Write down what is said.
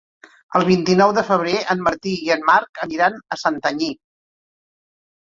El vint-i-nou de febrer en Martí i en Marc aniran a Santanyí.